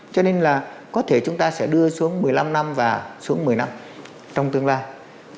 cho nên là có thể chúng ta sẽ đưa xuống một mươi năm năm và xuống một mươi năm trong tương lai